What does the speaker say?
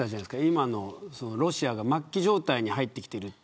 今のロシアが末期状態に入ってきている。